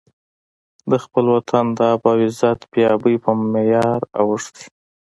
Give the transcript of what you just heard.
د خپل وطن د آب او عزت بې ابۍ په معیار اوښتی.